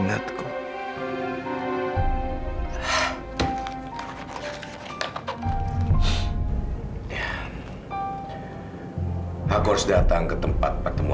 gak boleh suka suka kamu